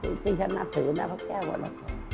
นี่ฉันนักถือนะพระแก้วอรักษ์